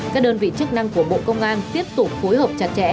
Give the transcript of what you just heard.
các đơn vị chức năng của bộ công an tiếp tục phối hợp chặt chẽ